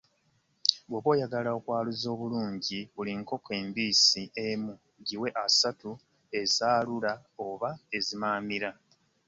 Bw’oba oyagala okwaluza obulungi, buli nkoko embiisi emu giwe ssatu ezaalula oba ezimaamira.